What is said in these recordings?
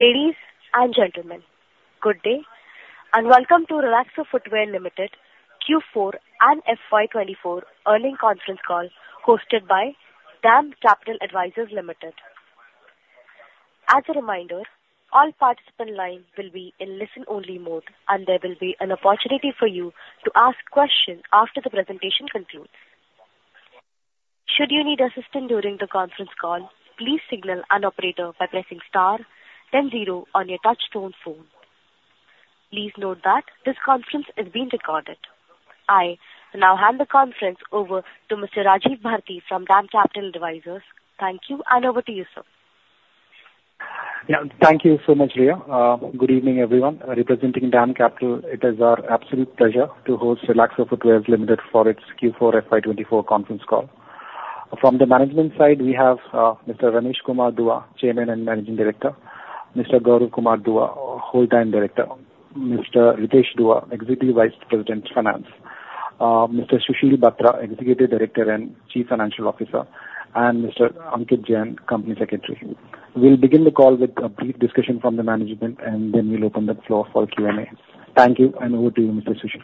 Ladies and gentlemen, good day, and welcome to Relaxo Footwears Limited Q4 and FY 2024 earnings conference call hosted by DAM Capital Advisors Limited. As a reminder, all participant lines will be in listen-only mode, and there will be an opportunity for you to ask questions after the presentation concludes. Should you need assistance during the conference call, please signal an operator by pressing star then zero on your touchtone phone. Please note that this conference is being recorded. I now hand the conference over to Mr. Rajiv Bharti from DAM Capital Advisors. Thank you, and over to you, sir. Yeah. Thank you so much, Leah. Good evening, everyone. Representing DAM Capital, it is our absolute pleasure to host Relaxo Footwears Limited for its Q4 FY24 conference call. From the management side, we have Mr. Ramesh Kumar Dua, Chairman and Managing Director, Mr. Gaurav Kumaar Dua, Whole-time Director, Mr. Ritesh Dua, Executive Vice President, Finance, Mr. Sushil Batra, Executive Director and Chief Financial Officer, and Mr. Ankit Jain, Company Secretary. We'll begin the call with a brief discussion from the management, and then we'll open the floor for Q&A. Thank you, and over to you, Mr. Sushil.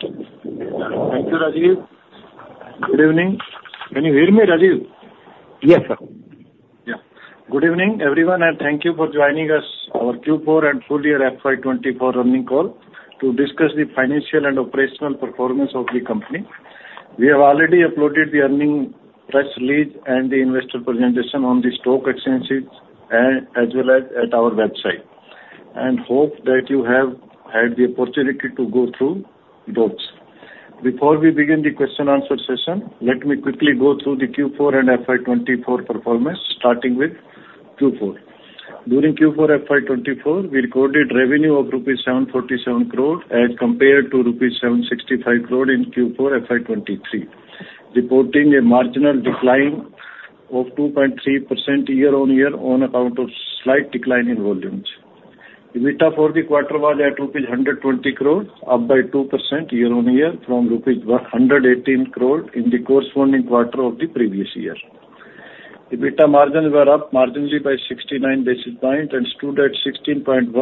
Thank you, Rajiv. Good evening. Can you hear me, Rajiv? Yes, sir. Yeah. Good evening, everyone, and thank you for joining us on our Q4 and full-year FY 2024 earnings call to discuss the financial and operational performance of the company. We have already uploaded the earnings press release and the investor presentation on the stock exchanges, as well as at our website, and hope that you have had the opportunity to go through those. Before we begin the question-answer session, let me quickly go through the Q4 and FY 2024 performance, starting with Q4. During Q4 FY 2024, we recorded revenue of 747 crore rupees as compared to 765 crore rupees in Q4 FY 2023, reporting a marginal decline of 2.3% year-on-year on account of slight decline in volumes. EBITDA for the quarter was at 120 crore, up by 2% year-on-year from 118 crore in the corresponding quarter of the previous year. EBITDA margins were up marginally by 69 basis points and stood at 16.1%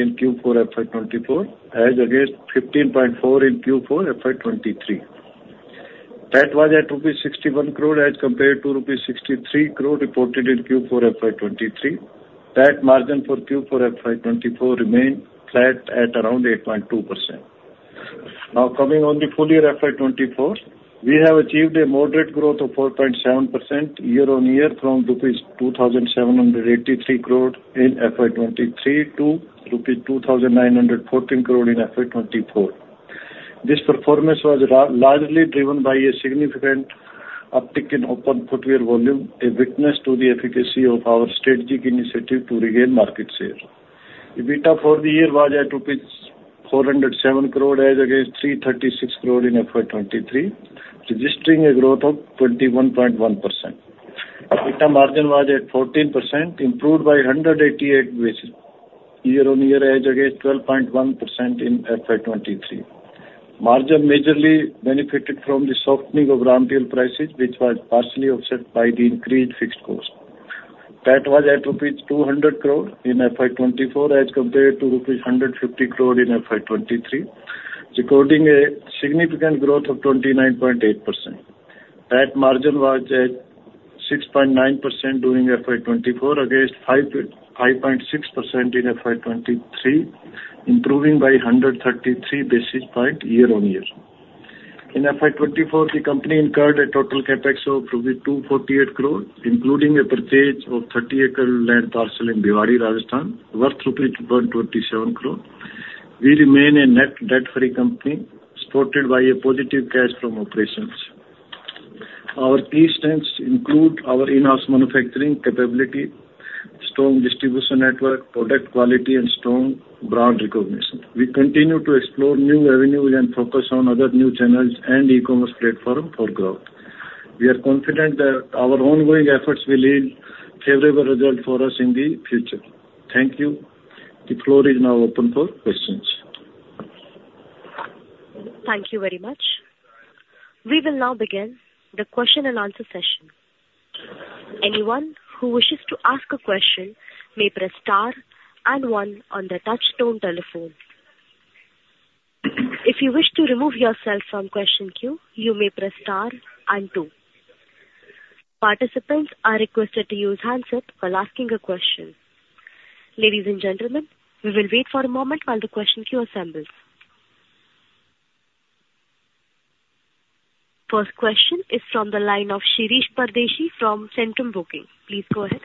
in Q4 FY 2024, as against 15.4% in Q4 FY 2023. That was at INR 61 crore as compared to INR 63 crore reported in Q4 FY 2023. That margin for Q4 FY 2024 remained flat at around 8.2%. Now, coming on the full year FY 2024, we have achieved a moderate growth of 4.7% year-on-year from rupees 2,783 crore in FY 2023 to rupees 2,914 crore in FY 2024. This performance was largely driven by a significant uptick in open footwear volume, a witness to the efficacy of our strategic initiative to regain market share. EBITDA for the year was at rupees 407 crore, as against 336 crore in FY 2023, registering a growth of 21.1%. EBITDA margin was at 14%, improved by 188 basis year on year, as against 12.1% in FY 2023. Margin majorly benefited from the softening of raw material prices, which was partially offset by the increased fixed cost. That was at rupees 200 crore in FY 2024, as compared to rupees 150 crore in FY 2023, recording a significant growth of 29.8%. That margin was at 6.9% during FY 2024, against 5.6% in FY 2023, improving by 133 basis points year-on-year. In FY 2024, the company incurred a total CapEx of 248 crore, including a purchase of 30-acre land parcel in Bhiwadi, Rajasthan, worth 127 crore. We remain a net debt-free company, supported by a positive cash from operations. Our key strengths include our in-house manufacturing capability, strong distribution network, product quality, and strong brand recognition. We continue to explore new avenues and focus on other new channels and e-commerce platform for growth. We are confident that our ongoing efforts will lead favorable result for us in the future. Thank you. The floor is now open for questions. Thank you very much. We will now begin the question and answer session. Anyone who wishes to ask a question may press star and one on the touchtone telephone. If you wish to remove yourself from question queue, you may press star and two. Participants are requested to use handset while asking a question. Ladies and gentlemen, we will wait for a moment while the question queue assembles. First question is from the line of Shirish Pardeshi from Centrum Broking. Please go ahead.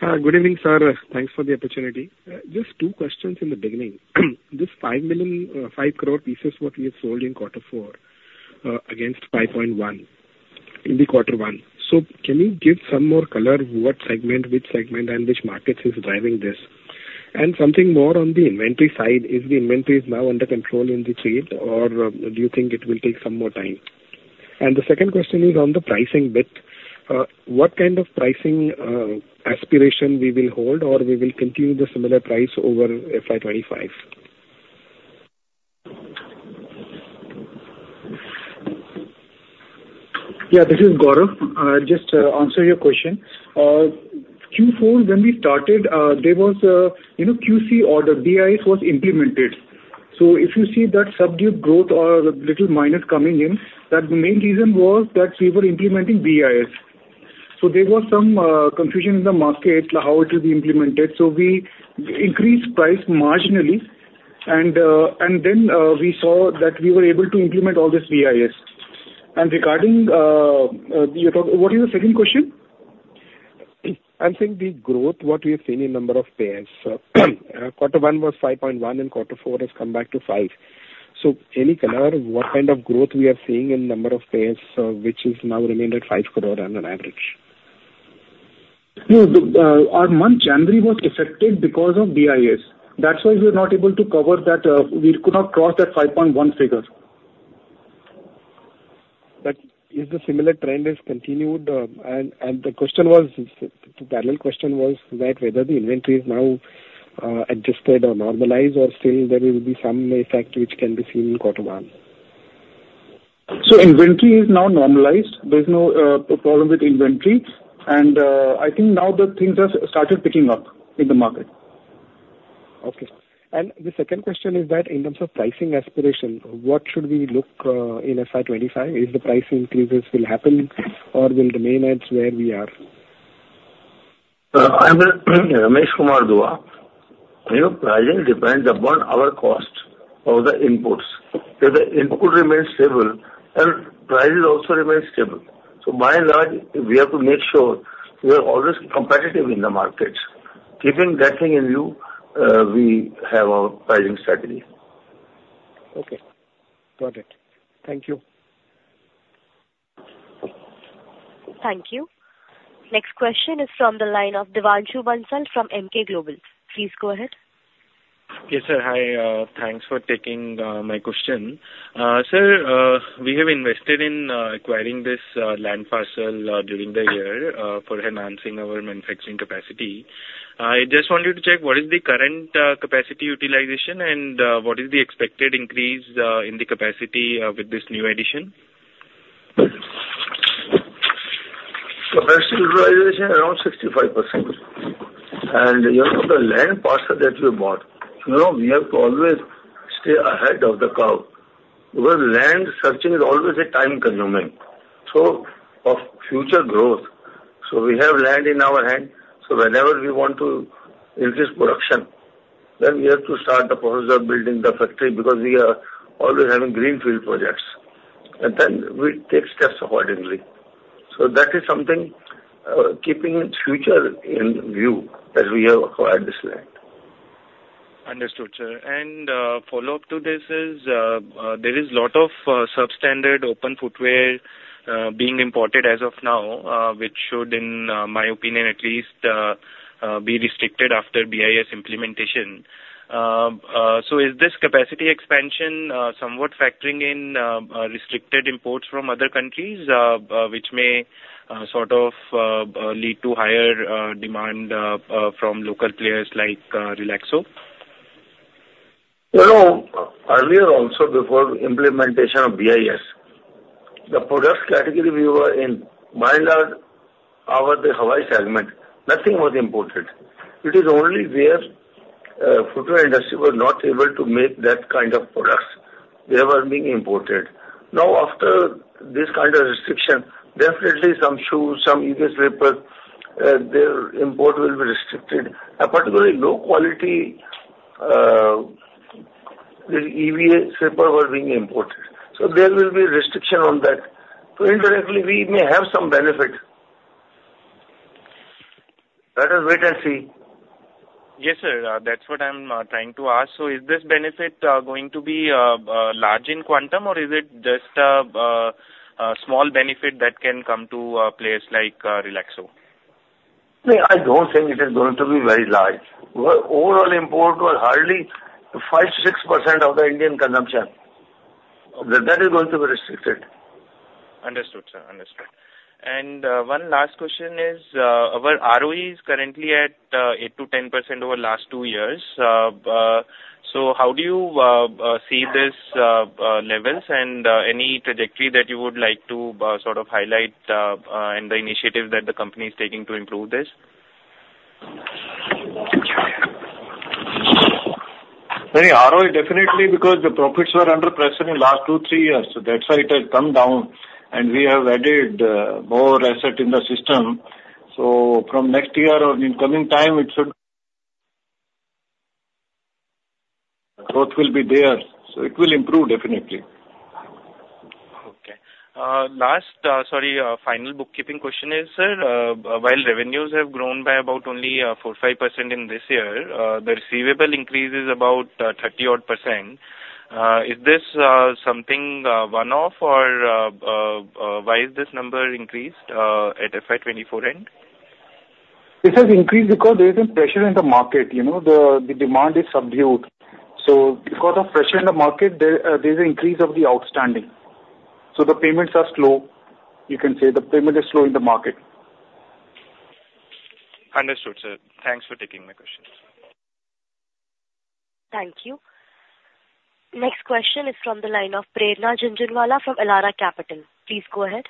Good evening, sir. Thanks for the opportunity. Just two questions in the beginning. This 5 million, 5 crore pieces what we have sold in quarter four, against 5.1 in the quarter one. So can you give some more color, what segment, which segment, and which markets is driving this? And something more on the inventory side. Is the inventory is now under control in the trade, or, do you think it will take some more time? And the second question is on the pricing bit. What kind of pricing aspiration we will hold, or we will continue the similar price over FY 2025?... Yeah, this is Gaurav. Just to answer your question, Q4, when we started, there was a, you know, QCO or the BIS was implemented. So if you see that subdued growth or little minus coming in, that the main reason was that we were implementing BIS. So there was some confusion in the market how it will be implemented. So we increased price marginally, and then we saw that we were able to implement all this BIS. And regarding... What is the second question? I'm saying the growth, what we have seen in number of pairs. Quarter one was 5.1, and quarter four has come back to 5. So any color, what kind of growth we are seeing in number of pairs, which is now remained at 5 crore on an average? No, the, our month January was affected because of BIS. That's why we were not able to cover that, we could not cross that 5.1 figure. But if the similar trend has continued, and the question was, the parallel question was that whether the inventory is now, adjusted or normalized, or still there will be some effect which can be seen in quarter one? So inventory is now normalized. There's no problem with inventory, and I think now the things have started picking up in the market. Okay. The second question is that in terms of pricing aspiration, what should we look in FY 25? Is the price increases will happen or will remain at where we are? I'm Ramesh Kumar Dua. You know, pricing depends upon our cost of the inputs. If the input remains stable, then prices also remain stable. So by and large, we have to make sure we are always competitive in the markets. Keeping that thing in view, we have our pricing strategy. Okay. Got it. Thank you. Thank you. Next question is from the line of Devanshu Bansal from Emkay Global. Please go ahead. Okay, sir. Hi, thanks for taking my question. Sir, we have invested in acquiring this land parcel during the year for enhancing our manufacturing capacity. I just wanted to check, what is the current capacity utilization, and what is the expected increase in the capacity with this new addition? Capacity utilization around 65%. You know, the land parcel that we bought, you know, we have to always stay ahead of the curve, because land searching is always a time-consuming, so of future growth. So we have land in our hand, so whenever we want to increase production, then we have to start the process of building the factory because we are always having greenfield projects, and then we take steps accordingly. So that is something, keeping future in view that we have acquired this land. Understood, sir. Follow-up to this is, there is lot of substandard open footwear being imported as of now, which should, in my opinion at least, be restricted after BIS implementation. So is this capacity expansion somewhat factoring in restricted imports from other countries, which may sort of lead to higher demand from local players like Relaxo? You know, earlier also before implementation of BIS, the product category we were in, by and large, our, the Hawaii segment, nothing was imported. It is only where, footwear industry were not able to make that kind of products, they were being imported. Now, after this kind of restriction, definitely some shoes, some EVA slippers, their import will be restricted. A particularly low quality, the EVA slipper were being imported, so there will be restriction on that. So indirectly, we may have some benefit. Let us wait and see. Yes, sir, that's what I'm trying to ask. So is this benefit going to be large in quantum, or is it just a small benefit that can come to players like Relaxo? No, I don't think it is going to be very large. Where overall import was hardly 5%-6% of the Indian consumption. That is going to be restricted. Understood, sir. Understood. And, one last question is, our ROE is currently at, 8%-10% over last two years. So how do you see this levels and, any trajectory that you would like to, sort of highlight, in the initiatives that the company is taking to improve this? Any ROE, definitely because the profits were under pressure in the last 2-3 years, so that's why it has come down, and we have added more assets in the system. So from next year or in coming time, it should... Growth will be there, so it will improve definitely. Okay. Last, sorry, final bookkeeping question is, sir, while revenues have grown by about only 4%-5% in this year, the receivable increase is about 30-odd%. Is this something one-off or why is this number increased at FY 2024 end? This has increased because there is a pressure in the market, you know, the demand is subdued. So because of pressure in the market, there's an increase of the outstanding. So the payments are slow. You can say the payment is slow in the market. Understood, sir. Thanks for taking my question. ...Thank you. Next question is from the line of Prerna Jhunjhunwala from Elara Capital. Please go ahead.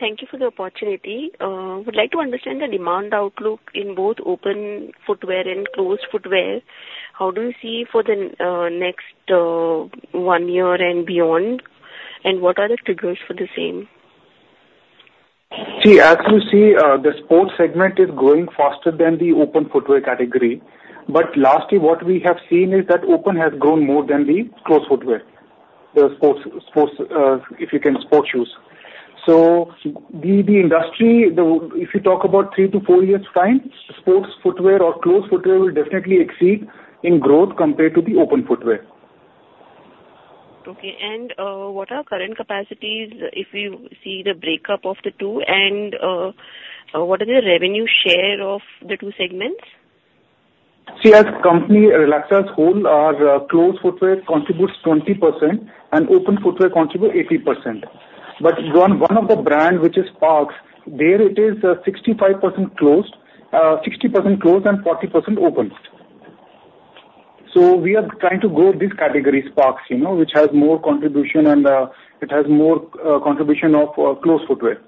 Thank you for the opportunity. Would like to understand the demand outlook in both open footwear and closed footwear. How do you see for the next one year and beyond, and what are the figures for the same? See, as you see, the sports segment is growing faster than the open footwear category. But lastly, what we have seen is that open has grown more than the closed footwear. The sports shoes. So the industry, if you talk about 3-4 years time, sports footwear or closed footwear will definitely exceed in growth compared to the open footwear. Okay. And, what are current capacities, if we see the breakup of the two, and, what is the revenue share of the two segments? See, as a company, Relaxo as a whole, our closed footwear contributes 20%, and open footwear contribute 80%. But one of the brand, which is Sparx, there it is 65% closed, 60% closed and 40% open. So we are trying to grow this category, Sparx, you know, which has more contribution and it has more contribution of closed footwear.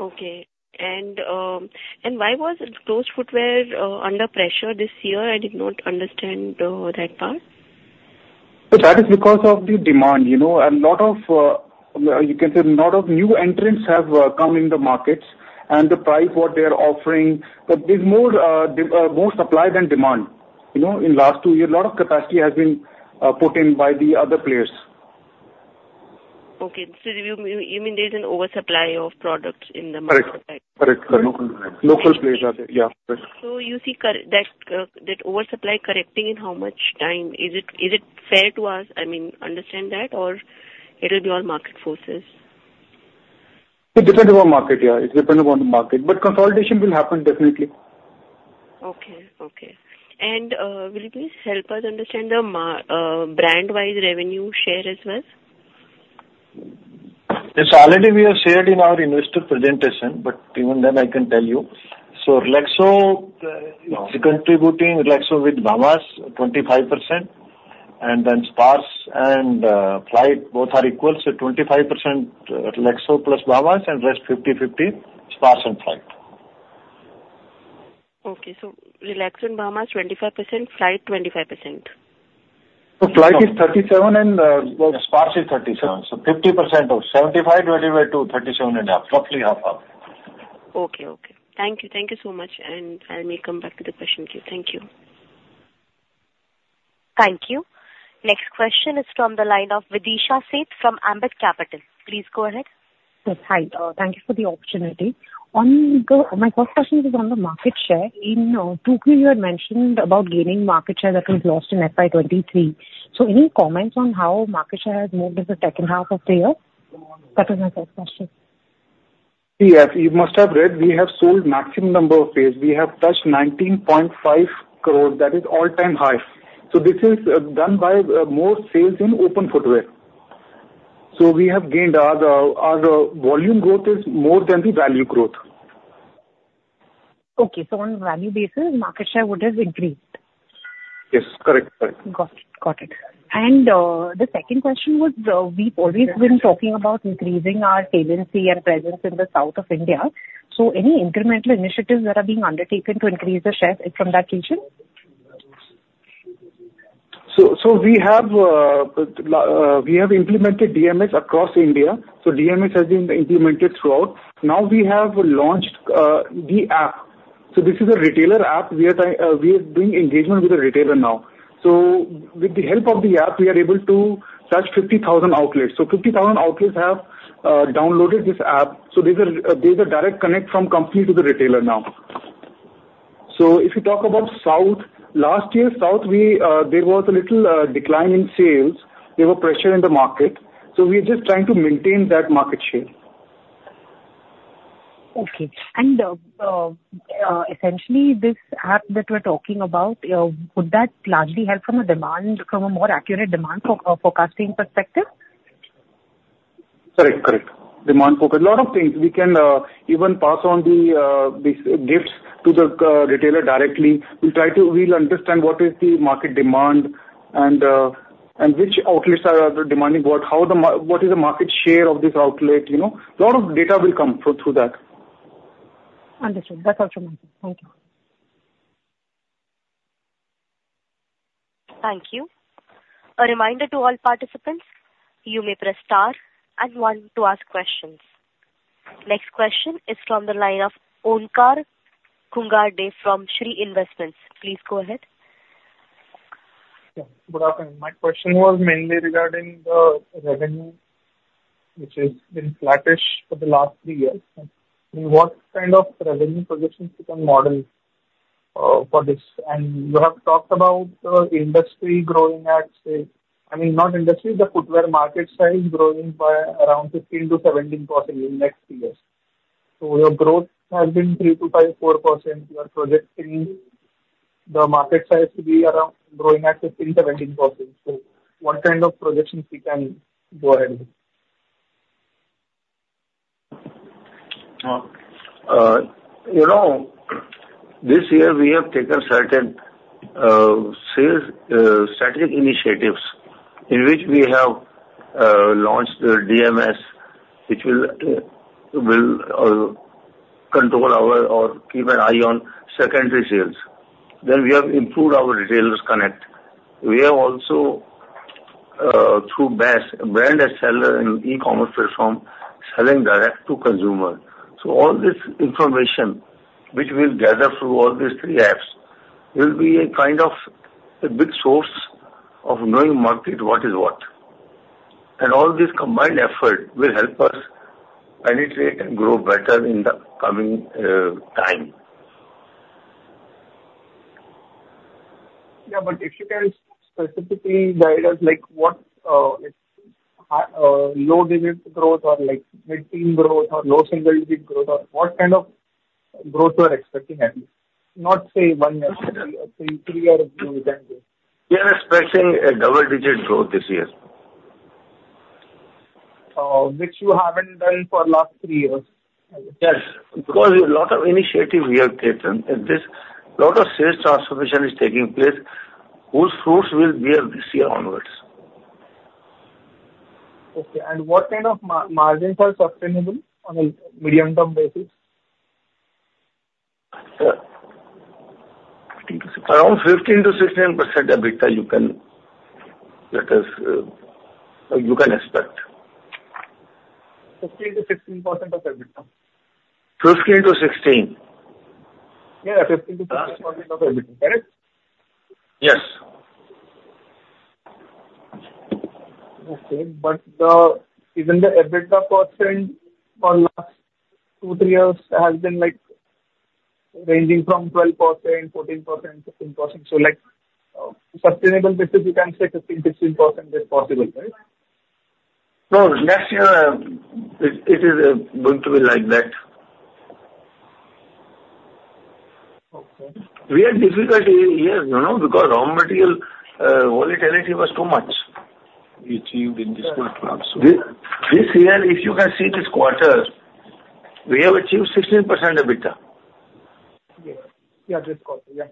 Okay. Why was it closed footwear under pressure this year? I did not understand that part. So that is because of the demand, you know, and lot of, you can say, lot of new entrants have come in the markets, and the price what they are offering, but there's more, more supply than demand. You know, in last two years, a lot of capacity has been put in by the other players. Okay. So you mean there's an oversupply of products in the market? Correct. Correct. Local, local players are there, yeah. So you see that oversupply correcting in how much time? Is it, is it fair to us, I mean, understand that, or it will be all market forces? It depends upon market, yeah. It depends upon the market, but consolidation will happen definitely. Okay, okay. And, will you please help us understand the brand-wide revenue share as well? It's already we have shared in our investor presentation, but even then I can tell you. So Relaxo is contributing Relaxo with Bahamas 25%, and then Sparx and Flite both are equal, so 25%, Relaxo plus Bahamas, and rest 50/50, Sparx and Flite. Okay. So Relaxo and Bahamas, 25%, Flite, 25%. So Flite is 37, and Sparx is 37. So 50% of 75, divided by 2, 37.5, roughly 50-50. Okay, okay. Thank you. Thank you so much, and I may come back with the question to you. Thank you. Thank you. Next question is from the line of Vidisha Seth, from Ambit Capital. Please go ahead. Yes, hi. Thank you for the opportunity. On the... My first question is on the market share. In Q2, you had mentioned about gaining market share that was lost in FY 2023. So any comments on how market share has moved in the second half of the year? That was my first question. Yes, you must have read, we have sold maximum number of pairs. We have touched 19.5 crores. That is all-time high. So this is done by more sales in open footwear. So we have gained, our volume growth is more than the value growth. Okay. So on value basis, market share would have increased? Yes, correct. Correct. Got it. Got it. And, the second question was, we've always been talking about increasing our agency and presence in the South of India. So any incremental initiatives that are being undertaken to increase the share from that region? So, we have implemented DMS across India. So DMS has been implemented throughout. Now, we have launched the app. So this is a retailer app. We are doing engagement with the retailer now. So with the help of the app, we are able to touch 50,000 outlets. So 50,000 outlets have downloaded this app. So there's a direct connect from company to the retailer now. So if you talk about South, last year, South, we, there was a little decline in sales. There were pressure in the market, so we're just trying to maintain that market share. Okay. And, essentially, this app that we're talking about, would that largely help from a more accurate demand forecasting perspective? Correct, correct. Demand focus. A lot of things. We can even pass on the gifts to the retailer directly. We'll understand what is the market demand and which outlets are demanding what, how the mar... What is the market share of this outlet, you know? A lot of data will come through that. Understood. That's all from me. Thank you. Thank you. A reminder to all participants, you may press Star and one to ask questions. Next question is from the line of Onkar Ghungade from Shree Investments. Please go ahead. Yeah, good afternoon. My question was mainly regarding the revenue, which has been flattish for the last three years. I mean, what kind of revenue projections you can model for this? And you have talked about the industry growing at, say... I mean, not industry, the footwear market size growing by around 15%-17% in next few years. So your growth has been 3%-5.4%. You are projecting the market size to be around, growing at 15%-17%. So what kind of projections we can go ahead with?... You know, this year we have taken certain sales strategic initiatives, in which we have launched the DMS, which will control our or keep an eye on secondary sales. Then we have improved our retailers connect. We have also, through BAS, brand as seller and e-commerce platform, selling direct to consumer. So all this information which we'll gather through all these three apps, will be a kind of a big source of knowing market, what is what. And all this combined effort will help us penetrate and grow better in the coming time. Yeah, but if you can specifically guide us, like, what low digit growth or like mid-teen growth or low single digit growth, or what kind of growth you are expecting, have you? Not say one year, say three year if you can do. We are expecting double-digit growth this year. which you haven't done for last three years. Yes, because a lot of initiative we have taken, and this lot of sales transformation is taking place, whose fruits will bear this year onwards. Okay. What kind of margins are sustainable on a medium-term basis? Around 15%-16% EBITDA you can, that is, you can expect. 15%-16% of EBITDA? 15-16. Yeah, 15%-16% of EBITDA, correct? Yes. Okay, but the, even the EBITDA percent for last 2-3 years has been, like, ranging from 12%, 14%, 15%. So like, sustainable basis, you can say 15%-16% is possible, right? No, next year, it is going to be like that. Okay. We had difficulty here, you know, because raw material volatility was too much. Achieved in this quarter also. This year, if you can see this quarter, we have achieved 16% EBITDA. Yeah. Yeah, this quarter. Yeah.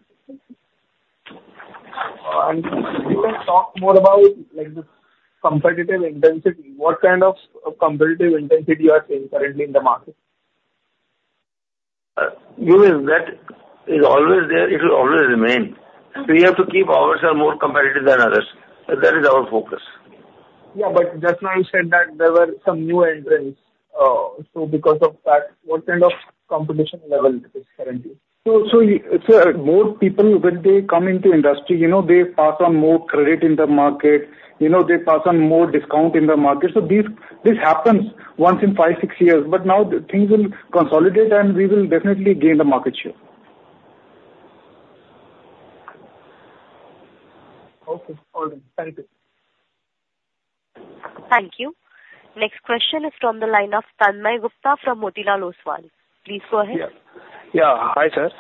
You can talk more about, like, the competitive intensity. What kind of competitive intensity you are seeing currently in the market? You mean that is always there, it will always remain. So we have to keep ourselves more competitive than others, and that is our focus. Yeah, but just now you said that there were some new entrants, so because of that, what kind of competition level is currently? So, sir, more people, when they come into industry, you know, they pass on more credit in the market. You know, they pass on more discount in the market. So this happens once in five, six years, but now the things will consolidate, and we will definitely gain the market share. Okay. All right. Thank you. Thank you. Next question is from the line of Tanmay Gupta from Motilal Oswal. Please go ahead. Yeah. Yeah. Hi, sir.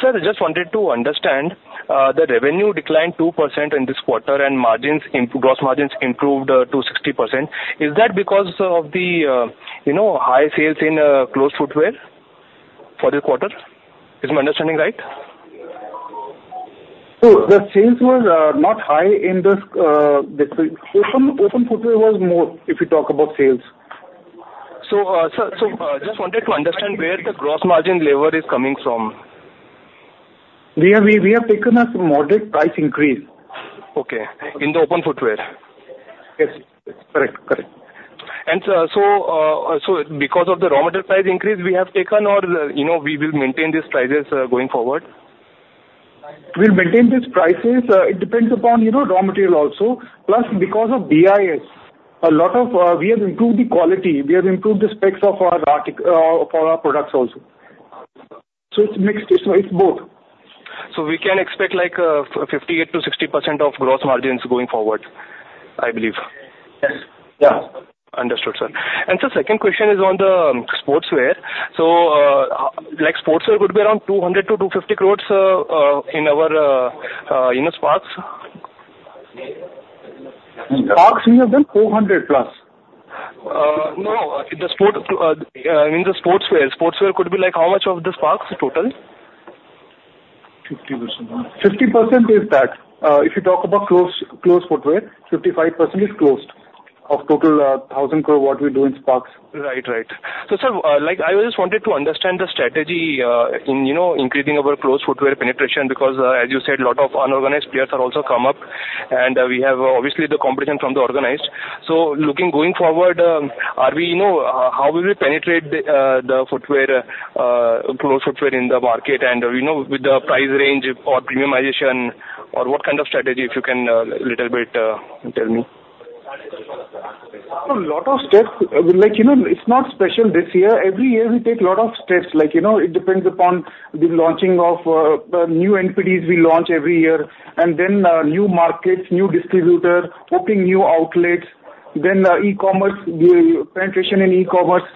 Sir, I just wanted to understand, the revenue declined 2% in this quarter, and gross margins improved to 60%. Is that because of the, you know, high sales in closed footwear for this quarter? Is my understanding right? The sales were not high in this. The open footwear was more, if you talk about sales. So, sir, just wanted to understand where the gross margin lever is coming from? We have taken a moderate price increase. Okay. In the open footwear? Yes. Correct, correct. So, because of the raw material price increase, we have taken or, you know, we will maintain these prices going forward? We'll maintain these prices. It depends upon, you know, raw material also. Plus, because of BIS, a lot of, we have improved the quality, we have improved the specs of our articles for our products also. So it's mixed, it's both. We can expect, like, 58%-60% of gross margins going forward, I believe? Yes. Yeah. Understood, sir. And sir, second question is on the sportswear. So, like, sportswear could be around 200 crore-250 crore in the Sparx? Sparx, we have done 400+. No, in the sport, in the sportswear. Sportswear could be like, how much of the Sparx total? 50%. 50% is that. If you talk about closed, closed footwear, 55% is closed of total 1,000 crore what we do in Sparx. Right. Right. So, sir, like, I just wanted to understand the strategy, in, you know, increasing our closed footwear penetration, because, as you said, a lot of unorganized players have also come up, and, we have obviously the competition from the organized. So looking, going forward, are we, you know, how will we penetrate, the footwear, closed footwear in the market? And, you know, with the price range or premiumization, or what kind of strategy, if you can, little bit, tell me. A lot of steps, like, you know, it's not special this year. Every year we take a lot of steps, like, you know, it depends upon the launching of, the new NPDs we launch every year, and then, new markets, new distributor, opening new outlets, then, e-commerce, the penetration in e-commerce.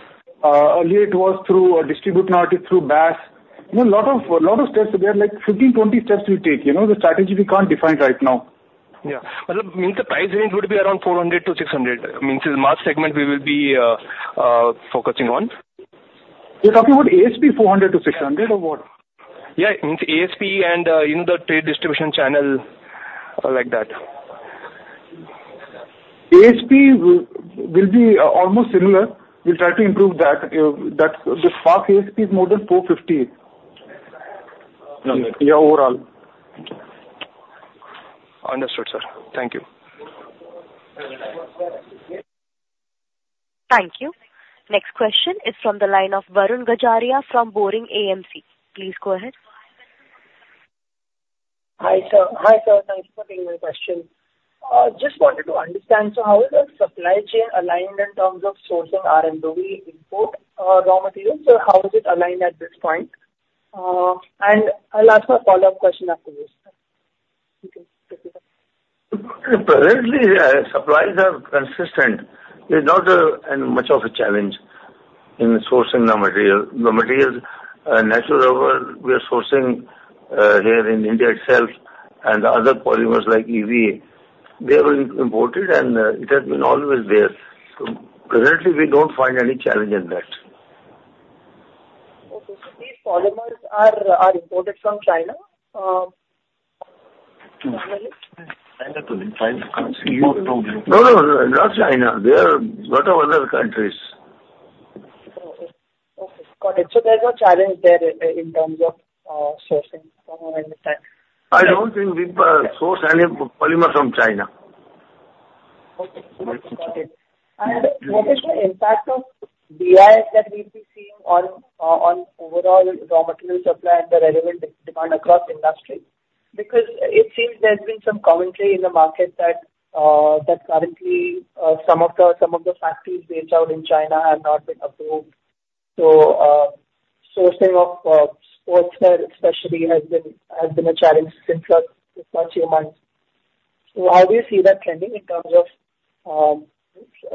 Earlier it was through a distribution article, through BAS. You know, lot of, lot of steps. There are like 15, 20 steps we take. You know, the strategy we can't define right now. ... Yeah, means the price range would be around 400-600, means the mass segment we will be focusing on. You're talking about ASP 400-600 or what? Yeah, means ASP and, in the trade distribution channel, like that. ASP will be almost similar. We'll try to improve that. That the Sparx ASP is more than 450. Yeah, overall. Understood, sir. Thank you. Thank you. Next question is from the line of Varun Gajaria from Boring AMC. Please go ahead. Hi, sir. Hi, sir, thank you for taking my question. Just wanted to understand, so how is the supply chain aligned in terms of sourcing R&D import, raw materials? So how is it aligned at this point? And I'll ask a follow-up question after this. Currently, supplies are consistent. It's not any much of a challenge in sourcing the material. The materials, natural rubber, we are sourcing here in India itself, and other polymers like EVA, they are being imported and it has been always there. So currently, we don't find any challenge in that. Okay. So these polymers are imported from China, normally? No, no, not China. There are a lot of other countries. Okay. Got it. So there's no challenge there in terms of sourcing from anywhere? I don't think we source any polymer from China. Okay. Got it. And what is the impact of BIS that we've been seeing on, on overall raw material supply and the relevant demand across industry? Because it seems there's been some commentary in the market that currently, some of the factories based out in China have not been approved. So, sourcing of sportswear especially has been a challenge since the last few months. So how do you see that trending in terms of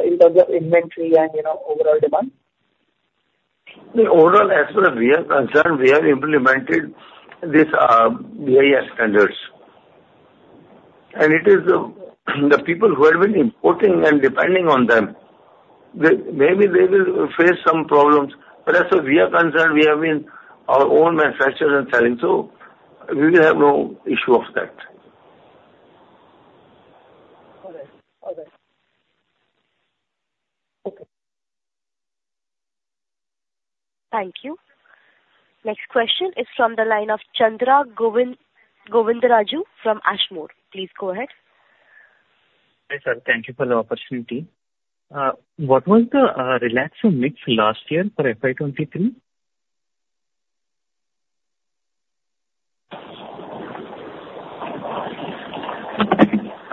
inventory and, you know, overall demand? The overall, as far as we are concerned, we have implemented this, BIS standards. It is the people who have been importing and depending on them, they maybe they will face some problems, but as far as we are concerned, we have been our own manufacturer and selling, so we will have no issue of that. All right. All right. Okay. Thank you. Next question is from the line of Chandra Govindaraju from Ashmore. Please go ahead. Hi, sir. Thank you for the opportunity. What was the Relaxo mix last year for FY 23?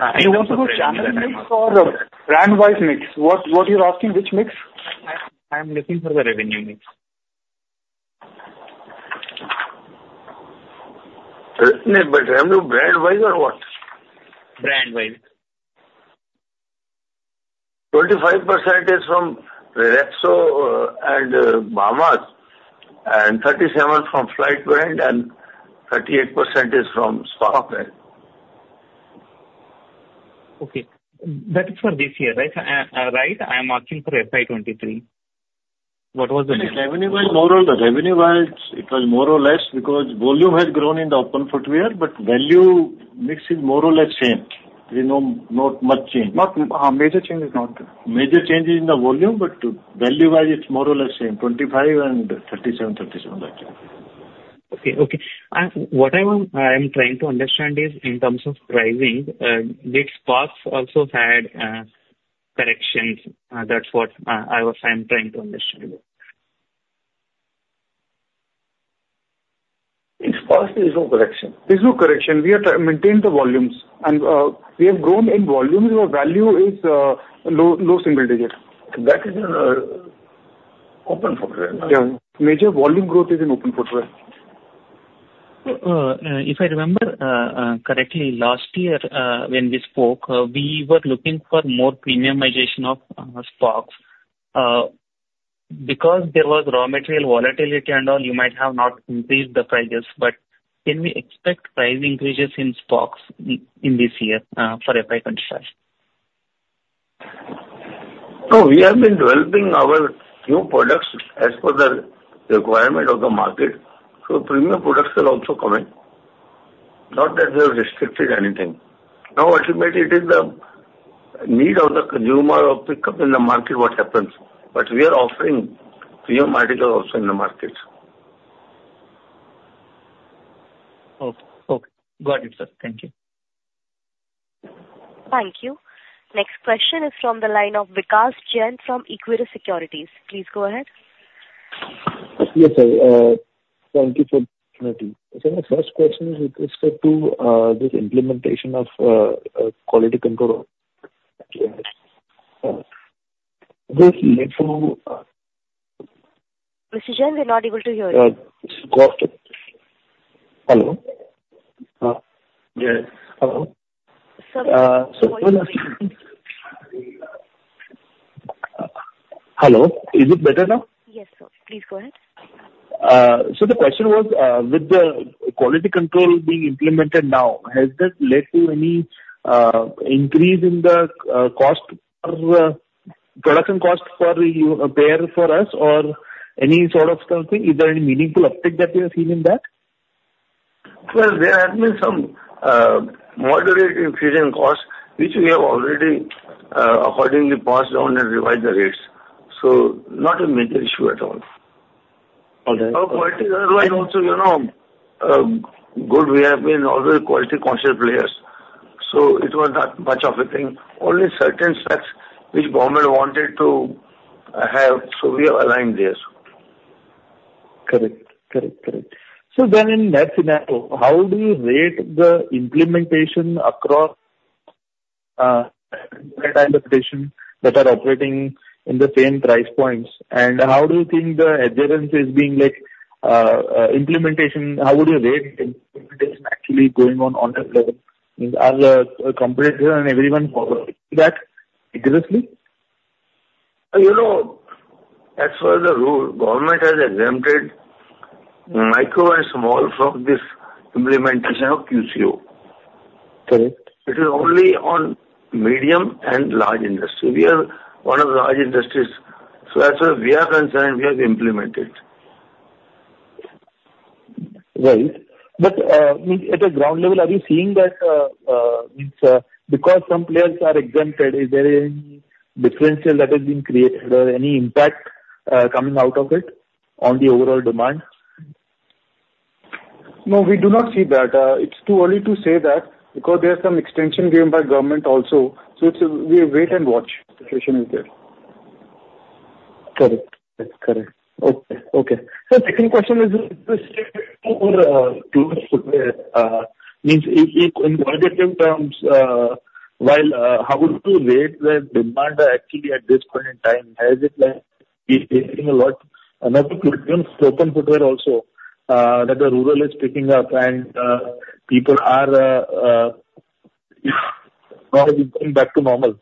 Also channel mix or brand-wise mix. What, what you are asking, which mix? I'm looking for the revenue mix. No, but revenue brand wise or what? Brand wise. 25% is from Relaxo and Bahamas, and 37 from Flite, and 38% is from Sparx. Okay. That is for this year, right? Right, I am asking for FY 23. What was the mix? Revenue wise, more or less. Revenue wise, it was more or less because volume has grown in the open footwear, but value mix is more or less same. There's no, not much change. But, major change is not... Major change is in the volume, but value wise, it's more or less same, 25 and 37, 37, like that. Okay, okay. What I want, I am trying to understand is in terms of pricing, did Sparx also had corrections? That's what I was, I'm trying to understand. In Sparx, there's no correction. There's no correction. We are maintaining the volumes, and we have grown in volume, our value is low, low single digit. That is in open footwear. Yeah. Major volume growth is in open footwear. If I remember correctly, last year, when we spoke, we were looking for more premiumization of Sparx. Because there was raw material volatility and all, you might have not increased the prices, but can we expect price increases in Sparx in this year, for FY 25? No, we have been developing our new products as per the requirement of the market, so premium products are also coming. Not that we have restricted anything. Now, ultimately, it is the need of the consumer or pickup in the market, what happens. But we are offering premium article also in the market. Okay. Okay. Got it, sir. Thank you. Thank you. Next question is from the line of Vikas Jain from Equirus Securities. Please go ahead. Yes, sir, thank you for the opportunity. So my first question is with respect to this implementation of quality control. This lead to Mr. Jain, we're not able to hear you. Hello? Yeah. Hello? Sir...... Hello, is it better now? Yes, sir, please go ahead. The question was, with the quality control being implemented now, has that led to any increase in the cost or production cost per pair for us or any sort of something? Is there any meaningful uptick that you're seeing in that? Well, there has been some moderate increase in costs, which we have already accordingly passed down and revised the rates. So not a major issue at all. All right. Our quality is also, you know, good. We have been always quality-conscious players, so it was not much of a thing. Only certain specs which government wanted to have, so we have aligned this. Correct. Correct, correct. So then in that scenario, how do you rate the implementation across, competition that are operating in the same price points? And how do you think the adherence is being, like, implementation, how would you rate implementation actually going on, on that level? Are the competitor and everyone following that aggressively? You know, as per the rule, government has exempted micro and small from this implementation of QCO. Correct. It is only on medium and large industry. We are one of the large industries, so as far as we are concerned, we have implemented. Right. But at a ground level, are you seeing that because some players are exempted, is there any differential that has been created or any impact coming out of it on the overall demand? No, we do not see that. It's too early to say that, because there are some extensions given by government also, so it's a wait and watch situation is there. Correct. That's correct. Okay, okay. So second question is, I mean in qualitative terms, how would you rate the demand actually at this point in time? Has it, like, been changing a lot? Another in open footwear also, that the rural is picking up and, people are now going back to normal.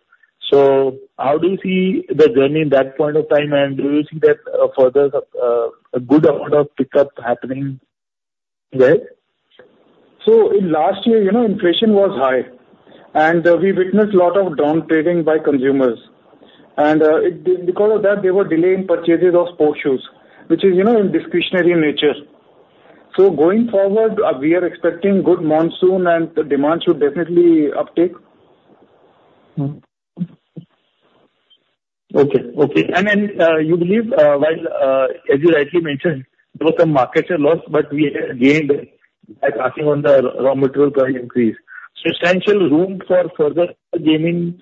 So how do you see the journey in that point of time, and do you see that further, a good amount of pickup happening there? So in last year, you know, inflation was high, and we witnessed a lot of down trading by consumers. And it, because of that, they were delaying purchases of sports shoes, which is, you know, in discretionary nature. So going forward, we are expecting good monsoon and the demand should definitely uptake. Okay, okay. And then, you believe, while, as you rightly mentioned, there were some markets at loss, but we gained by passing on the raw material price increase. Substantial room for further gaining,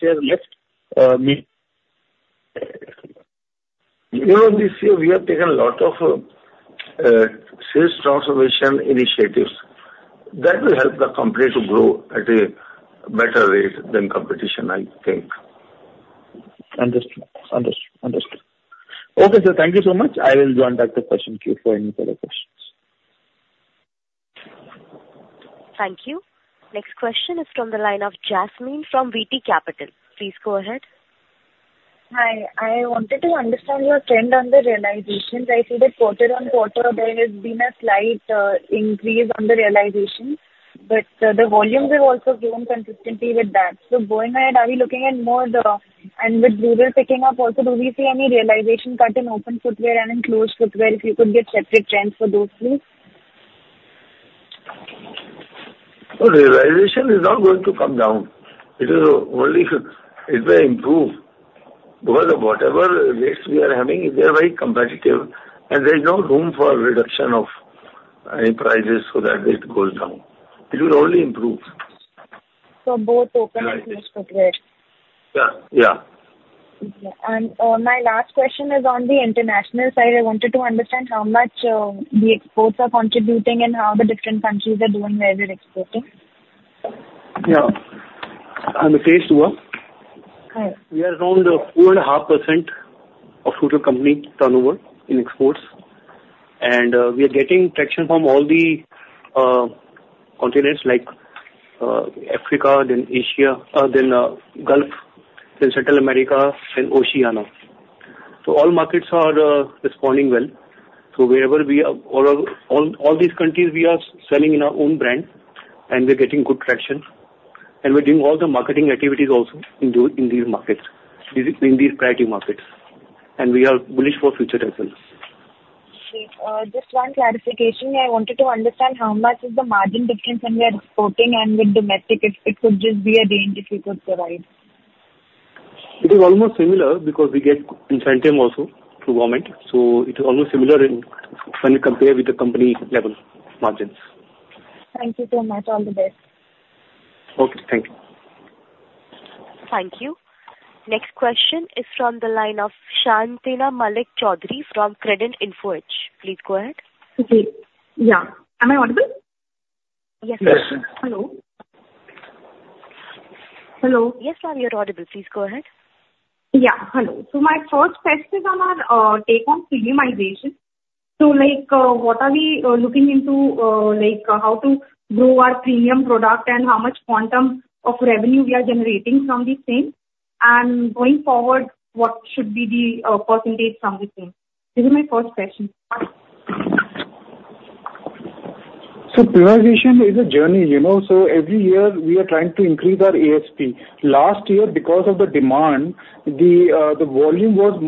share left, mean? You know, this year we have taken a lot of sales transformation initiatives. That will help the company to grow at a better rate than competition, I think. Understood. Understood, understood. Okay, sir, thank you so much. I will join back the question queue for any further questions. Thank you. Next question is from the line of Jasmine from VT Capital. Please go ahead. Hi. I wanted to understand your trend on the realizations. I see that quarter-on-quarter, there has been a slight increase on the realization, but the volumes have also grown consistently with that. So going ahead, are we looking at more the... And with rural picking up also, do we see any realization cut in open footwear and in closed footwear, if you could give separate trends for those, please? Oh, realization is not going to come down. It is only to, it may improve, because whatever rates we are having, they are very competitive, and there is no room for reduction of any prices so that it goes down. It will only improve. So both open- Right. and closed footwear? Yeah, yeah. My last question is on the international side. I wanted to understand how much the exports are contributing and how the different countries are doing where we are exporting. Yeah. On the trade side- Hi. We are around 4.5% of future company turnover in exports. We are getting traction from all the continents like Africa, then Asia, then Gulf, then Central America and Oceania. So all markets are responding well. So wherever we are, or all these countries, we are selling in our own brand, and we're getting good traction. And we're doing all the marketing activities also in these markets, in these priority markets. And we are bullish for future as well. Great. Just one clarification. I wanted to understand how much is the margin difference when we are exporting and with domestic, if it could just be a range, if you could provide? It is almost similar, because we get incentive also through government, so it is almost similar when you compare with the company level margins. Thank you so much. All the best. Okay, thank you. Thank you. Next question is from the line of Shantanu Malik Choudhary from Credent Infotech. Please go ahead. Okay. Yeah. Am I audible? Yes. Yes. Hello? Hello. Yes, ma'am, you are audible. Please go ahead. Yeah, hello. So my first question is on our take on premiumization. So like, what are we looking into, like how to grow our premium product and how much quantum of revenue we are generating from the same? And going forward, what should be the percentage from the same? This is my first question. So premiumization is a journey, you know, so every year we are trying to increase our ASP. Last year, because of the demand, the volume was,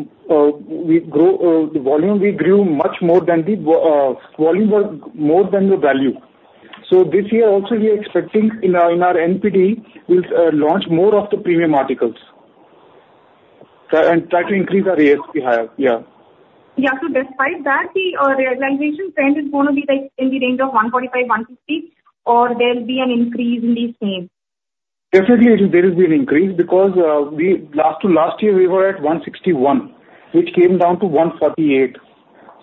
we grow, the volume we grew much more than the volume was more than the value. So this year also, we are expecting in our, in our NPD, we'll launch more of the premium articles. So and try to increase our ASP higher. Yeah. Yeah. So despite that, the realization trend is going to be, like, in the range of 145-150, or there will be an increase in the same? Definitely, there will be an increase because we last to last year, we were at 161, which came down to 148.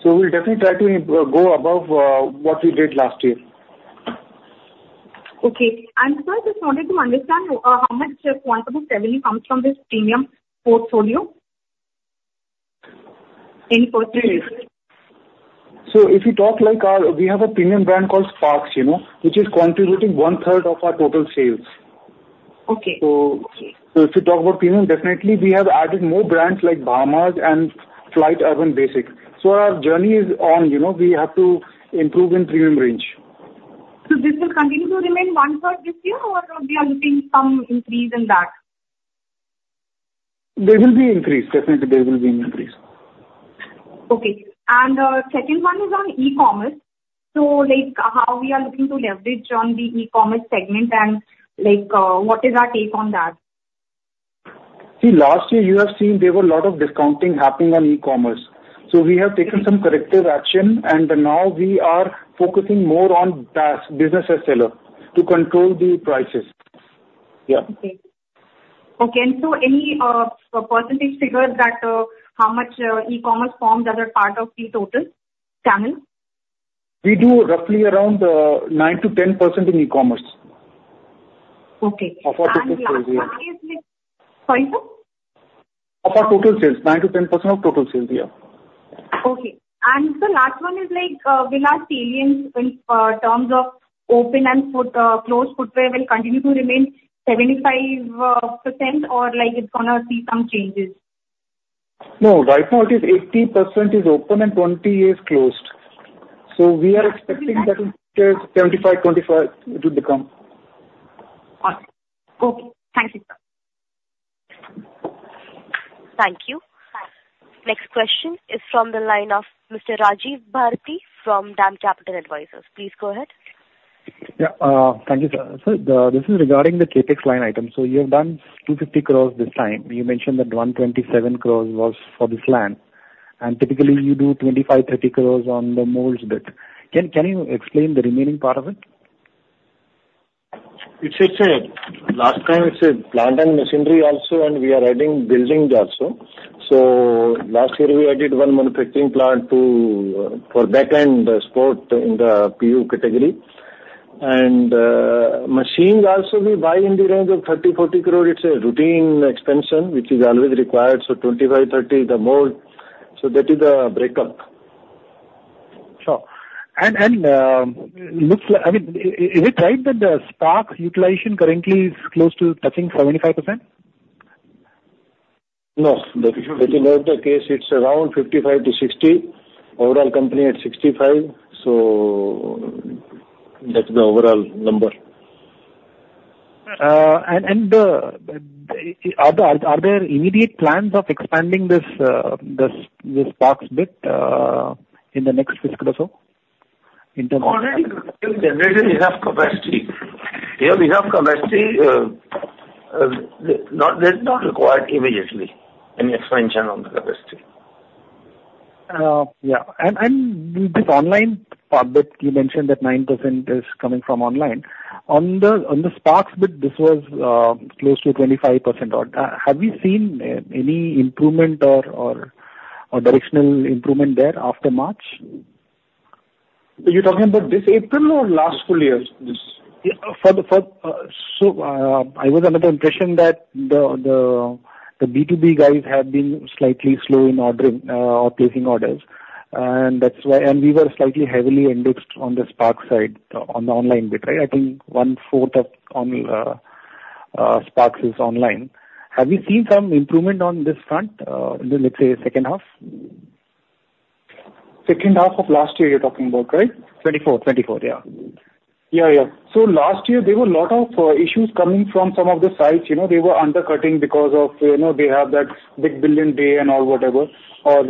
So we'll definitely try to go above what we did last year. Okay. And sir, just wanted to understand, how much quantum of revenue comes from this premium portfolio? In percentages. So if you talk like our... We have a premium brand called Sparx, you know, which is contributing one third of our total sales. Okay. So, if you talk about premium, definitely we have added more brands like Bahamas and Flite Urban Basics. So our journey is on, you know, we have to improve in premium range. This will continue to remain one third this year, or we are looking some increase in that? There will be increase. Definitely, there will be an increase. Okay. Second one is on e-commerce. Like, how we are looking to leverage on the e-commerce segment and, like, what is our take on that? See, last year you have seen there were a lot of discounting happening on e-commerce, so we have taken some corrective action and now we are focusing more on that business as seller, to control the prices. Yeah. Okay. Okay, and so any percentage figures that how much e-commerce forms as a part of the total channel? We do roughly around 9%-10% in e-commerce. Okay. Of our total sales, yeah. Pardon, sir? Of our total sales, 9%-10% of total sales. Yeah. Okay. The last one is like, will our sales in terms of open footwear and closed footwear continue to remain 75%, or like it's gonna see some changes? No, right now it is 80% is open and 20 is closed. So we are expecting that it is 75-25, it will become. Got it. Okay. Thank you, sir. Thank you. Next question is from the line of Mr. Rajiv Bharti from DAM Capital Advisors. Please go ahead. Yeah. Thank you, sir. So, this is regarding the CapEx line item. So you have done 250 crores this time. You mentioned that 127 crores was for this land, and typically you do 25 crores-30 crores on the molds bit. Can you explain the remaining part of it? It's last time it's plant and machinery also, and we are adding buildings also. So last year we added one manufacturing plant too for backend sport in the PU category. And machines also we buy in the range of 30 crore-40 crore. It's a routine expansion, which is always required, so 25-30 the mold. So that is the breakup. Sure. Looks like... I mean, is it right that the stock utilization currently is close to touching 75%? No, that is not the case. It's around 55-60. Overall company at 65, so that's the overall number. Are there immediate plans of expanding this Sparx bit in the next fiscal or so, in terms of- Already we have capacity. Here we have capacity. That's not required immediately, any expansion on the capacity. Yeah. And this online part that you mentioned, that 9% is coming from online. On the Sparx bit, this was close to 25%. Have we seen any improvement or directional improvement there after March? You're talking about this April or last full year, this? Yeah, for the, for... So, I was under the impression that the B2B guys have been slightly slow in ordering or placing orders, and that's why. And we were slightly heavily indexed on the Sparx side, on the online bit, right? I think one-fourth of on, Sparx is online. Have you seen some improvement on this front, in, let's say, second half? Second half of last year you're talking about, right? 24th. 24th, yeah. Yeah, yeah. So last year there were a lot of issues coming from some of the sites, you know, they were undercutting because of, you know, they have that Big Billion Day and all, whatever, or.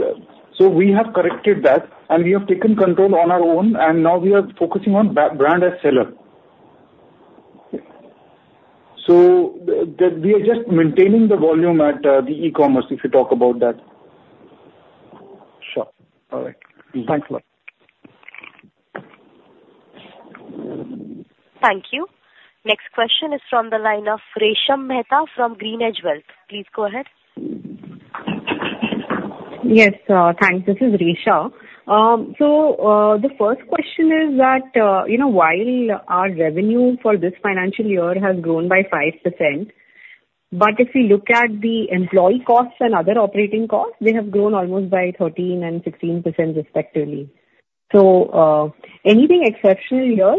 So we have corrected that, and we have taken control on our own, and now we are focusing on brand as seller. Okay. So, we are just maintaining the volume at the e-commerce, if you talk about that. Sure. All right. Mm-hmm. Thanks a lot. Thank you. Next question is from the line of Resham Mehta from GreenEdge Wealth. Please go ahead. Yes, thanks. This is Resham. The first question is that, you know, while our revenue for this financial year has grown by 5%-... But if you look at the employee costs and other operating costs, they have grown almost by 13% and 16% respectively. So, anything exceptional here?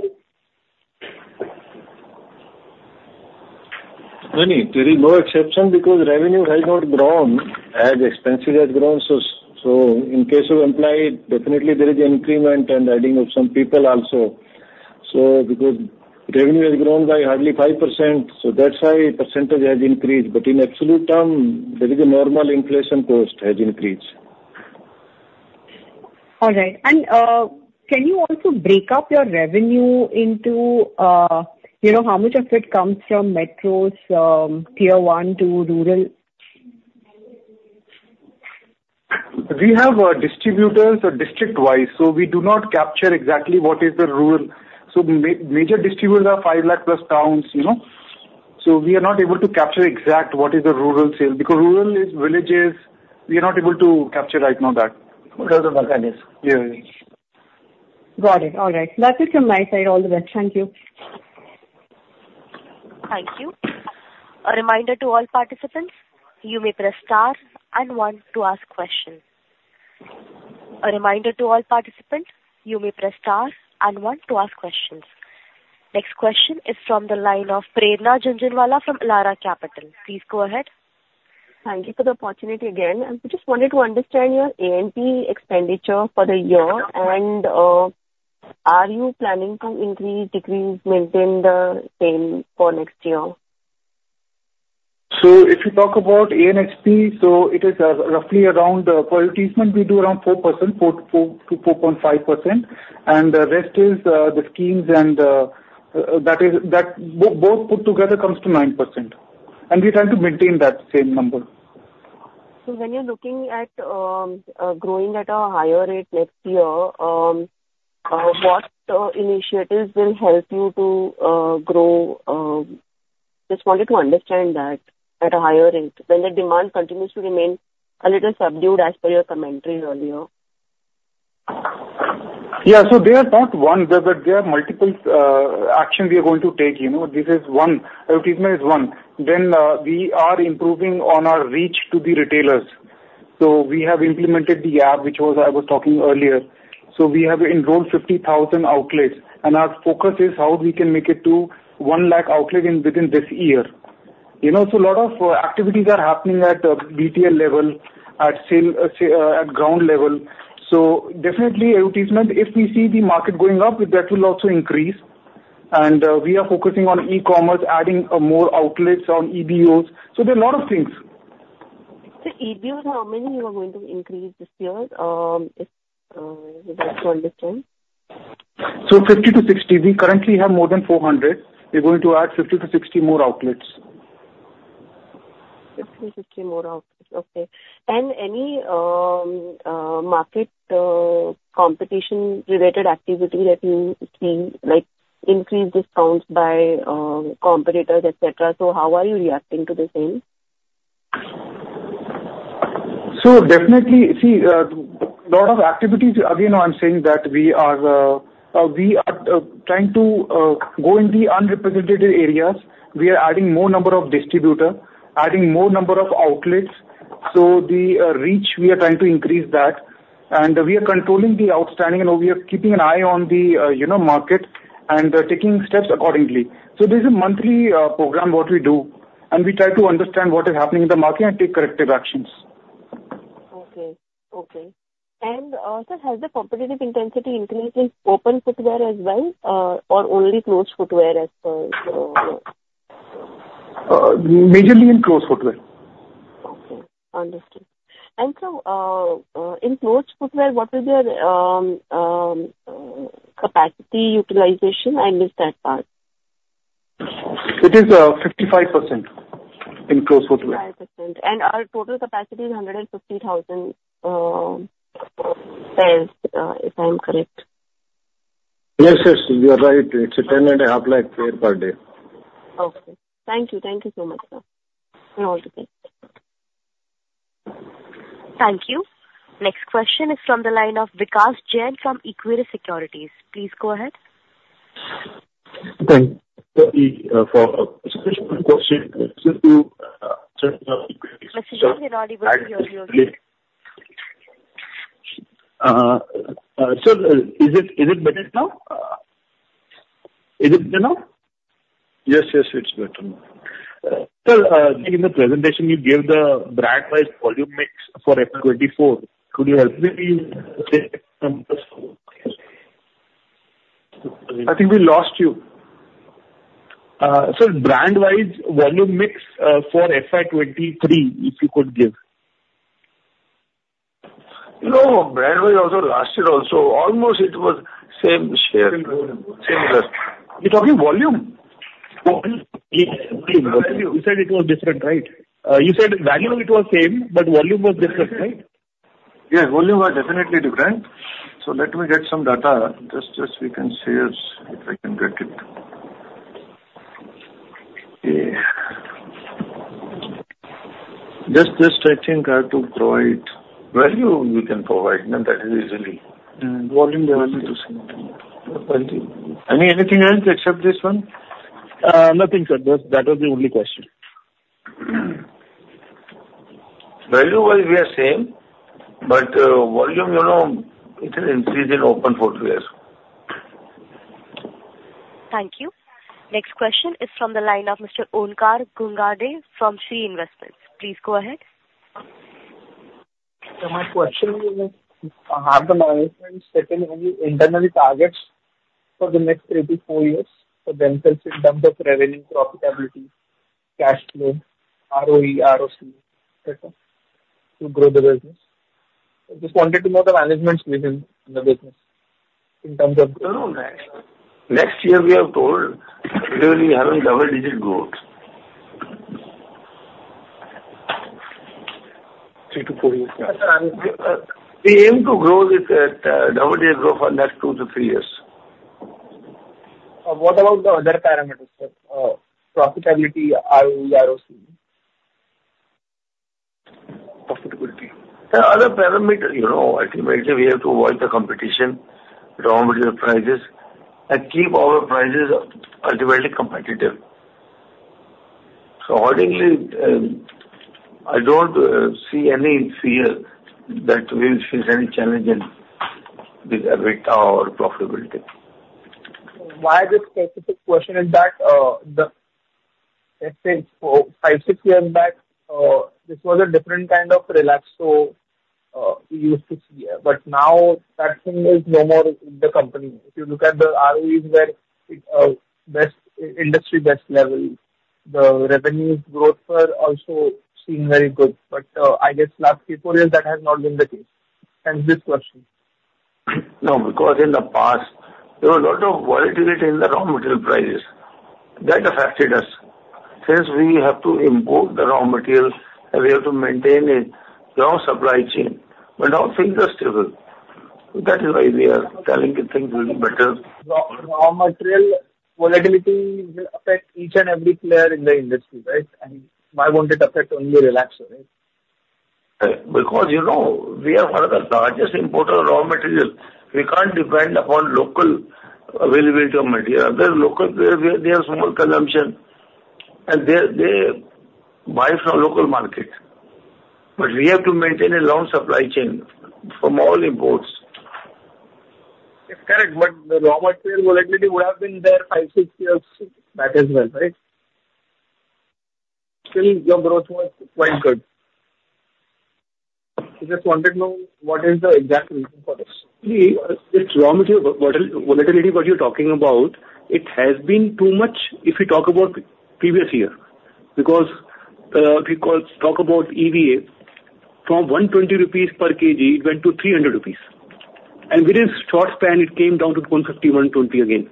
No, there is no exception because revenue has not grown as expenses has grown. So in case of employee, definitely there is an increment and adding of some people also. So because revenue has grown by hardly 5%, so that's why percentage has increased. But in absolute term, there is a normal inflation cost has increased. All right. Can you also break up your revenue into, you know, how much of it comes from metros, tier one to rural? We have distributors are district-wise, so we do not capture exactly what is the rural. So major distributors are 5 lakh plus towns, you know. So we are not able to capture exact what is the rural sales, because rural is villages. We are not able to capture right now that. Yeah, yeah. Got it. All right. That's it from my side. All the best. Thank you. Thank you. A reminder to all participants, you may press Star and One to ask questions. A reminder to all participants, you may press Star and One to ask questions. Next question is from the line of Prerna Jhunjhunwala from Elara Capital. Please go ahead. Thank you for the opportunity again. I just wanted to understand your A&P expenditure for the year, and are you planning to increase, decrease, maintain the same for next year? If you talk about A&P, it is roughly around 4% for treatment. We do around 4%-4.5%, and the rest is the schemes and both put together comes to 9%, and we're trying to maintain that same number. So when you're looking at growing at a higher rate next year, what initiatives will help you to grow? Just wanted to understand that at a higher rate, when the demand continues to remain a little subdued as per your commentary earlier. Yeah, so there are not one, there are multiple actions we are going to take. You know, this is one, our treatment is one. Then, we are improving on our reach to the retailers. So we have implemented the app, which was I was talking earlier. So we have enrolled 50,000 outlets, and our focus is how we can make it to one lakh outlet within this year. You know, so a lot of activities are happening at BTL level, at sale, at ground level. So definitely, our treatment, if we see the market going up, that will also increase. And, we are focusing on e-commerce, adding more outlets on EBOs. So there are a lot of things. So EBOs, how many you are going to increase this year? We want to understand. So 50-60. We currently have more than 400. We're going to add 50-60 more outlets. 50-60 more outlets. Okay. And any market competition-related activity that you see, like increased discounts by competitors, et cetera. So how are you reacting to the same? So definitely, see, lot of activities. Again, I'm saying that we are trying to go in the unrepresented areas. We are adding more number of distributor, adding more number of outlets. So the reach, we are trying to increase that, and we are controlling the outstanding, and we are keeping an eye on the, you know, market and taking steps accordingly. So there's a monthly program what we do, and we try to understand what is happening in the market and take corrective actions. Okay, okay. Sir, has the competitive intensity increased in open footwear as well, or only closed footwear as per your... Majorly in closed footwear. Okay, understood. And so, in closed footwear, what is your capacity utilization? I missed that part. It is 55% in closed footwear. 5%. And our total capacity is 150,000 pairs, if I'm correct? Yes, yes, you are right. It's 10.5 lakh pair per day. Okay. Thank you. Thank you so much, sir. All the best. Thank you. Next question is from the line of Vikas Jain from Equirus Securities. Please go ahead. Thank you for a special question to Equirus- We're still not able to hear you. Okay. So, is it better now? Is it better now? Yes, yes, it's better now. Sir, in the presentation you gave the brand-wise volume mix for FY 2024. Could you help me with the numbers? I think we lost you. Sir, brand-wise, volume mix, for FY 23, if you could give. No, brand-wise also, last year also, almost it was same, sharing, similar. You're talking volume? Volume. Yes, volume. You said it was different, right? You said value, it was same, but volume was different, right? Yeah, volume was definitely different. So let me get some data, just we can see if I can get it. Yeah.... Just, just I think I have to provide value we can provide, and that is easily. Volume I mean, anything else except this one? Nothing, sir. That was the only question. Value-wise, we are same, but, volume, you know, it will increase in open footwear. Thank you. Next question is from the line of Mr. Onkar Ghungade from Shree Investments. Please go ahead. So my question is, have the management set any internal targets for the next three to four years for themselves in terms of revenue, profitability, cash flow, ROE, ROC, et cetera, to grow the business? I just wanted to know the management's vision in the business in terms of- No, next year we have told we will be having double-digit growth. 3 to 4 years. We aim to grow this at double-digit growth for next 2-3 years. What about the other parameters, sir? Profitability, ROE, ROC. Profitability. The other parameter, you know, ultimately we have to avoid the competition, raw material prices, and keep our prices ultimately competitive. So accordingly, I don't see any fear that we will face any challenge in with EBITDA or profitability. Why this specific question is that, the, let's say, 4, 5, 6 years back, this was a different kind of Relaxo, we used to see. But now that thing is no more in the company. If you look at the ROEs were, it, best, industry best level, the revenues growth were also seem very good. But, I guess last 3, 4 years, that has not been the case. Hence, this question. No, because in the past, there was a lot of volatility in the raw material prices. That affected us. Since we have to import the raw materials, and we have to maintain a long supply chain, but now things are stable. That is why we are telling you things will be better. Raw material volatility will affect each and every player in the industry, right? Why won't it affect only Relaxo, right? Because, you know, we are one of the largest importer of raw material. We can't depend upon local availability of material. Other local, they have small consumption, and they buy from local market. But we have to maintain a long supply chain from all imports. It's correct, but the raw material volatility would have been there 5, 6 years back as well, right? Still, your growth was quite good. I just wanted to know what is the exact reason for this. This raw material volatility what you're talking about, it has been too much if you talk about previous year. Because, if you talk about EVA, from 120 rupees per kg, it went to 300 rupees. And within short span, it came down to 150, 120 again.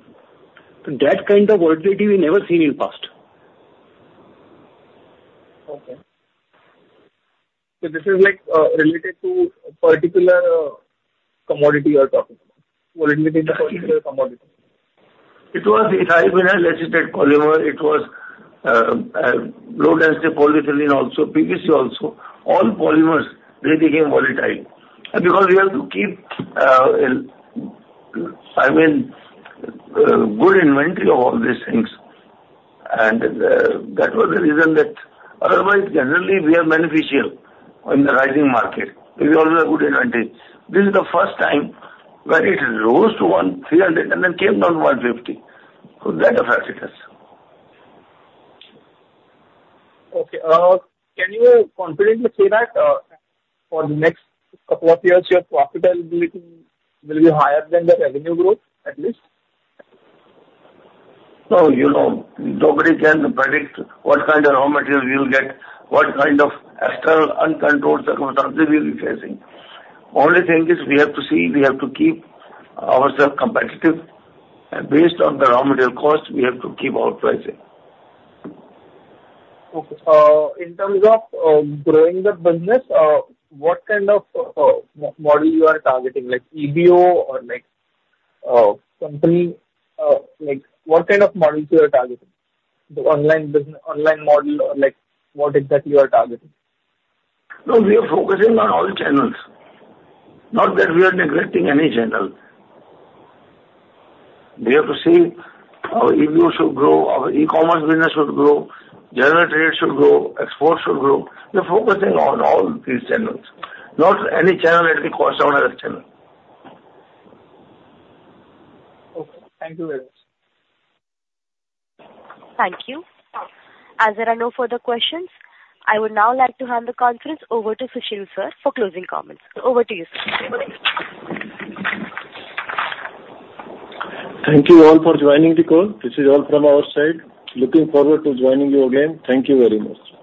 So that kind of volatility we never seen in past. Okay. So this is, like, related to particular commodity you are talking about? Volatility in the particular commodity. It was ethylene-vinyl acetate polymer, it was low-density polyethylene also, PVC also. All polymers, they became volatile. Because we have to keep, I mean, good inventory of all these things, and that was the reason that. Otherwise, generally, we are beneficial in the rising market. We always have good inventory. This is the first time where it rose to 1,300 and then came down to 150. So that affected us. Okay, can you confidently say that, for the next couple of years, your profitability will be higher than the revenue growth, at least? No, you know, nobody can predict what kind of raw material we will get, what kind of external uncontrolled circumstances we'll be facing. Only thing is we have to see, we have to keep ourselves competitive, and based on the raw material cost, we have to keep our pricing. Okay. In terms of growing the business, what kind of model you are targeting? Like EBO or like company, like what kind of models you are targeting? The online business, online model, or like what exactly you are targeting? No, we are focusing on all the channels. Not that we are neglecting any channel. We have to see our EBO should grow, our e-commerce business should grow, general trade should grow, export should grow. We're focusing on all these channels, not any channel at the cost of another channel. Okay. Thank you very much. Thank you. As there are no further questions, I would now like to hand the conference over to Sushil, sir, for closing comments. So over to you, sir. Thank you all for joining the call. This is all from our side. Looking forward to joining you again. Thank you very much.